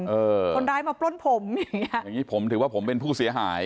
เออคนร้ายมาปล้นผมอย่างเงี้อย่างงี้ผมถือว่าผมเป็นผู้เสียหาย